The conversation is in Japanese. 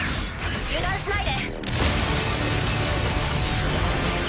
油断しないで。